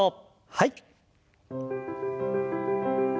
はい。